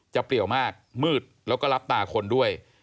เปรียวมากมืดแล้วก็รับตาคนด้วย